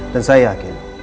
dan saya yakin